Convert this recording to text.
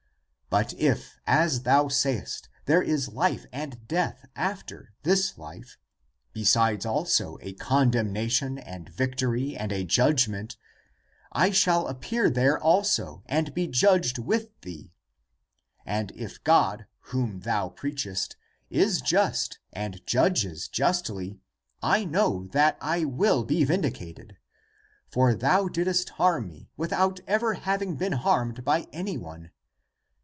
But if, as thou sayest, there is life and death after this life, besides also a condem nation and victory and a judgment, I shall appear there also and be judged with thee, and if God, whom thou preachest, is just and judges justly, I know that I shall be vindicated. For thou didst harm me, without ever having been harmed by any one.